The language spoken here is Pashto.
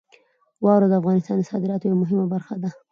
واوره د افغانستان د صادراتو یوه مهمه برخه ده.